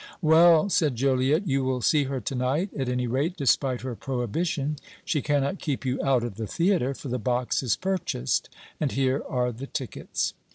"Well," said Joliette, "you will see her to night, at any rate, despite her prohibition. She cannot keep you out of the theatre, for the box is purchased and here are the tickets."